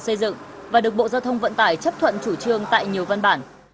công ty vương hiền xây dựng và được bộ giao thông vận tải chấp thuận chủ trương tại nhiều văn bản